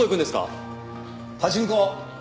パチンコ！